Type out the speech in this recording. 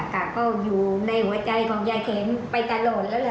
ครับก็อยู่ในหัวใจของยายแข็งไปตะโหลดแล้ว